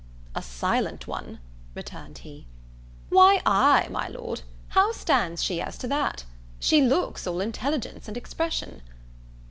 "A silent one," returned he. "Why ay, my Lord, how stands she as to that? She looks all intelligence and expression."